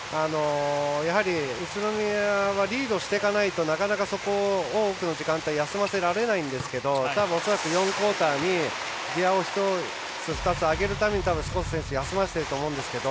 宇都宮はリードしていかないとなかなか多くの時間帯休ませられないんですけどたぶん、４クオーターにギヤを１つ、２つ上げるためにスコット選手を休ませていると思うんですけど。